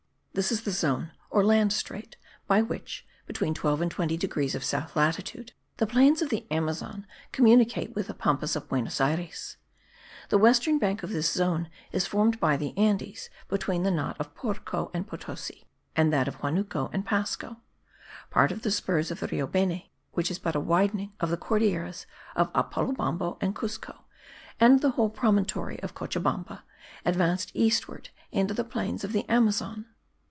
This is the zone or land strait by which, between 12 and 20 degrees of south latitude, the plains of the Amazon communicate with the Pampas of Buenos Ayres. The western bank of this zone is formed by the Andes, between the knot of Porco and Potosi, and that of Huanuco and Pasco. Part of the spurs of the Rio Beni, which is but a widening of the Cordilleras of Apolobamba and Cuzco and the whole promontory of Cochabamba, advance eastward into the plains of the Amazon.